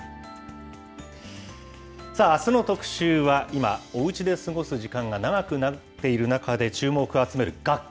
さあ、あすの特集は、今、おうちで過ごす時間が長くなっている中で注目を集める楽器。